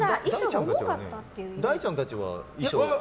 だいちゃんたちは衣装は？